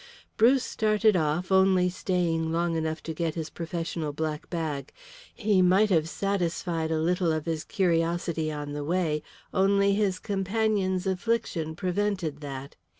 Bruce started off, only staying long enough to get his professional black bag. He might have satisfied a little of his curiosity on the way, only his companion's affliction prevented that.